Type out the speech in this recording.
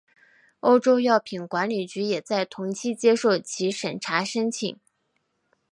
欧洲药品管理局也在同期接受其审查申请。